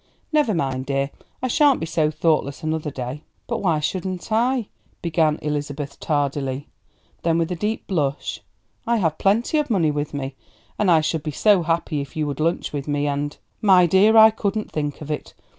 Never mind, dear, I sha'n't be so thoughtless another day." "But why shouldn't I " began Elizabeth tardily; then with a deep blush. "I have plenty of money with me, and I should be so happy if you would lunch with me, and " "My dear, I couldn't think of it!